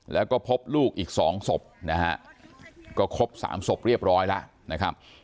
แล้วก็พบลูกอีก๒ศพนะฮะก็ครบ๓ศพเรียบร้อยแล้วนะครับ